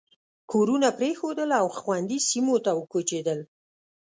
کورونه پرېښودل او خوندي سیمو ته وکوچېدل.